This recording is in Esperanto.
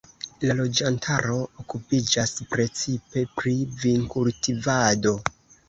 La loĝantaro okupiĝas precipe pri vinkultivado.